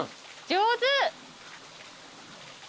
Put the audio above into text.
上手。